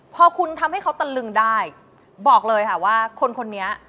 พอคุณทำให้เขาตะลึงได้บอกเลยค่ะว่าคนคนนี้